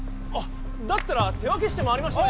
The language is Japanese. だったら手分けして回りましょう。